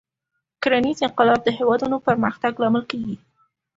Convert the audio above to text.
کرنیز انقلاب د هېوادونو پرمختګ لامل کېږي.